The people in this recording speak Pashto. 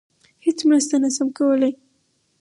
هیڅ مرسته نشم کولی.